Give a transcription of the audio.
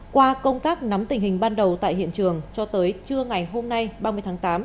qua công tác nắm tình hình ban đầu tại hiện trường cho tới trưa ngày hôm nay ba mươi tháng tám